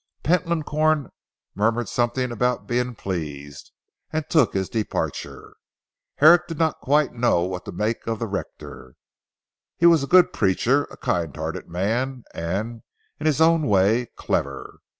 Pentland Corn murmured something about being pleased, and took his departure. Herrick did not quite know what to make of the rector. He was a good preacher, a kind hearted man, and in his own way, clever.